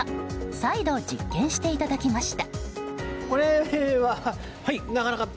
再度、実験していただきました。